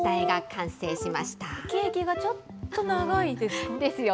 ケーキがちょっと長いですか。